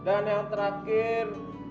dan yang terakhir